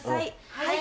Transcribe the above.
はい。